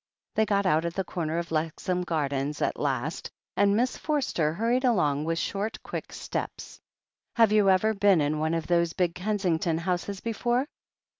They got out at the comer of Lexham Gardens at last, and Miss Forster hurried along with short, quick steps. "Have you ever been in one of these big Kensington houses before?